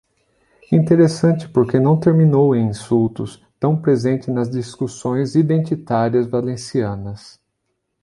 Interessante porque não terminou em insultos, tão presente nas discussões identitárias valencianas.